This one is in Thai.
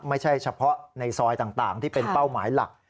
ไม่ใช่เฉพาะในซอยต่างที่เป็นเป้าหมายหลัก